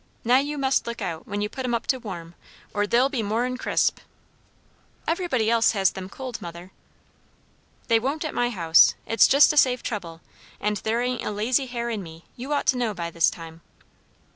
Now you must look out, when you put 'em to warm up, or they'll be more'n crisp." "Everybody else has them cold, mother." "They won't at my house. It's just to save trouble; and there ain't a lazy hair in me, you ought to know by this time."